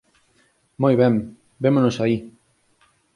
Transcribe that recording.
Moi ben. Vémonos aí.